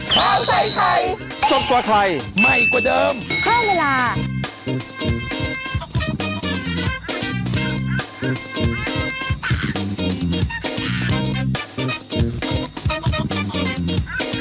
โปรดติดตามตอนต่อไป